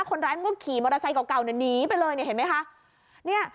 คนร้ายมันก็ขี่มอเตอร์ไซค์เก่าเนี่ยหนีไปเลยเนี่ยเห็นไหมคะเนี่ย